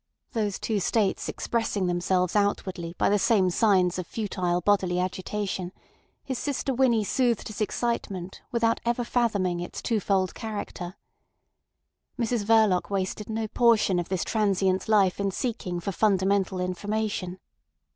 Those two states expressing themselves outwardly by the same signs of futile bodily agitation, his sister Winnie soothed his excitement without ever fathoming its twofold character. Mrs Verloc wasted no portion of this transient life in seeking for fundamental information.